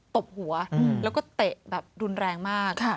ตบหัวแล้วก็เตะแบบรุนแรงมาก